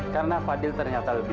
karena fadil ternyata lebih baik